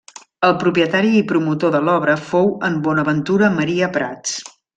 El propietari i promotor de l'obra fou en Bonaventura Maria Prats.